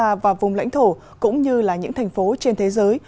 quốc gia và vùng lãnh thổ cũng như là những thành phố trên thế giới